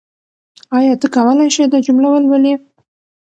آیا ته کولای شې دا جمله ولولې؟